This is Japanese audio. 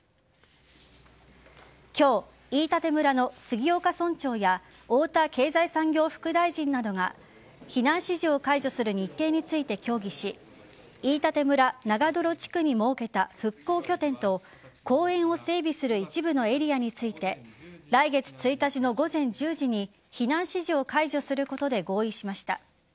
今日、飯舘村の杉岡村長や太田経済産業副大臣などが避難指示を解除する日程について協議し飯舘村長泥地区に設けた復興拠点と公園を整備する一部のエリアについて来月１日の午前１０時に避難指示を解除することで合意しました。